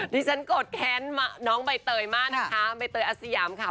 นี่ฉันกดแค้นน้องใบเตยมากนะคะใบเตยอาเซียมค่ะ